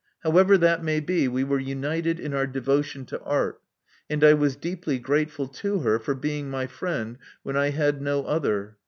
However that may be, we were united in our devotion to art ; and I was deeply grateful to her for being my friend when I had no other.